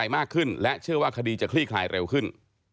มากขึ้นและเชื่อว่าคดีจะคลี่คลายเร็วขึ้น